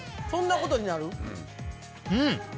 そんなことになる？